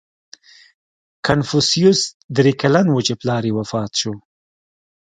• کنفوسیوس درې کلن و، چې پلار یې وفات شو.